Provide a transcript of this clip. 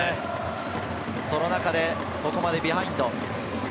その中でここまでビハインド。